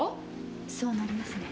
そうなりますね。